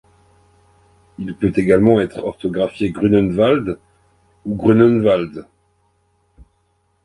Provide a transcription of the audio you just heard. Il peut également être orthographié Grunenwald ou Grünenwaldt.